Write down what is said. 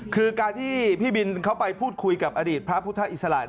คือการที่พี่บินเขาไปพูดคุยกับอดีตพระพุทธอิสระ